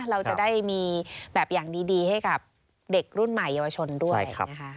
เราจะได้มีแบบอย่างดีให้กับเด็กรุ่นใหม่เยาวชนด้วยนะคะ